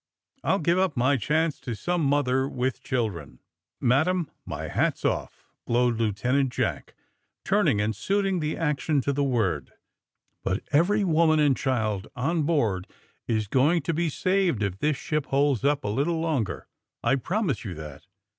"I'll give up my chance to some mother with children." "Madam, my hat's oif," glowed Lieutenant Jack, turning and suiting the action to the word. "But every woman and child on board is going AKD THE SMUGGLERS 129 to be saved if this ship holds iix3 a little longer. I promise you that.